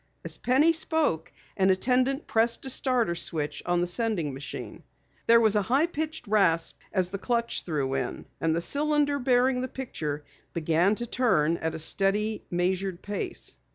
As Penny spoke, an attendant pressed a starter switch on the sending machine. There was a high pitched rasp as the clutch threw in, and the cylinder bearing the picture began to turn at a steady measured pace.